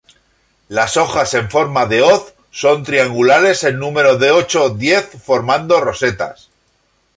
Las hojas en forma de hoz son triangulares en número de ocho-diez formando rosetas.